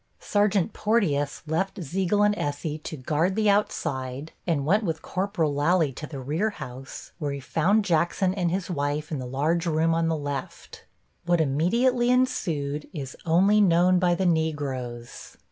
Sergeant Porteus left Ziegel and Essey to guard the outside and went with Corporal Lally to the rear house, where he found Jackson and his wife in the large room on the left. What immediately ensued is only known by the Negroes.